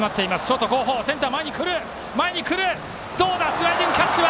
スライディングキャッチ！